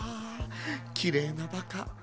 きれいなバカ。